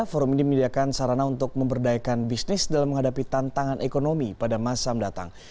forum ini menyediakan sarana untuk memberdayakan bisnis dalam menghadapi tantangan ekonomi pada masa mendatang